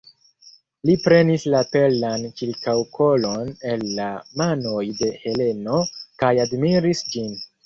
Li prenis la perlan ĉirkaŭkolon el la manoj de Heleno kaj admiris ĝin.